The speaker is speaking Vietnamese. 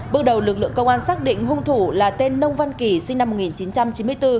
bước đầu lực lượng công an xác định hung thủ là tên nông văn kỳ sinh năm một nghìn chín trăm chín mươi bốn